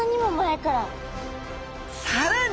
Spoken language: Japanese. さらに！